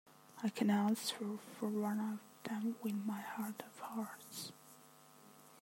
I can answer for one of them with my heart of hearts.